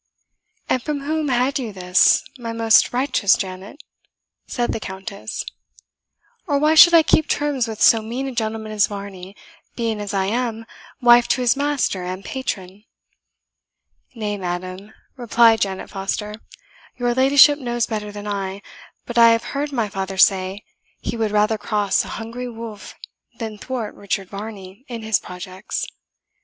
"And from whom had you this, my most righteous Janet?" said the Countess; "or why should I keep terms with so mean a gentleman as Varney, being as I am, wife to his master and patron?" "Nay, madam," replied Janet Foster, "your ladyship knows better than I; but I have heard my father say he would rather cross a hungry wolf than thwart Richard Varney in his projects.